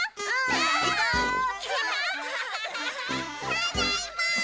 ただいま！